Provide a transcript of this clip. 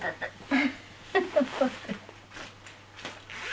フフフ。